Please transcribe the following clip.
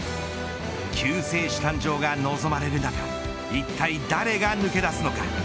救世主誕生が望まれる中一体誰が抜け出すのか。